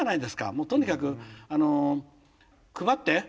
もうとにかくあの配って！